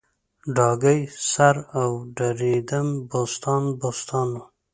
ډاګی سر او دړیدم بوستان بوستان و